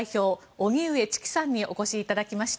荻上チキさんにお越しいただきました。